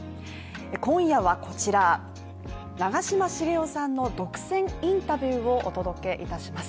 今夜はこちら長嶋茂雄さんの独占インタビューをお届けいたします